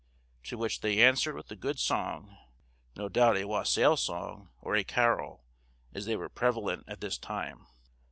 to which they answered with a good song—no doubt a wassail song or a carol, as they were prevalent at this time.